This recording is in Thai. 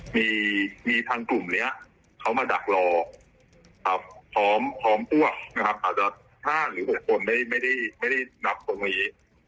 ก็มีทางกลุ่มนี้เขามาดักรอพร้อมอ้วนอาจจะท่านหรือทุกคนไม่ได้นับตรงนี้